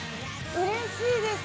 うれしいです。